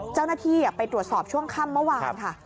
เจ้าหน้าที่ไปตรวจสอบช่วงค่ำเมื่อวานค่ะ